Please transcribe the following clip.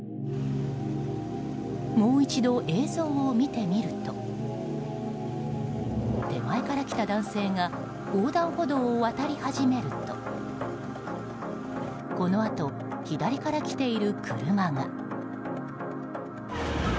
もう一度、映像を見てみると手前から来た男性が横断歩道を渡り始めるとこのあと左から来ている車が。